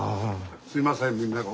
すいませんみんな。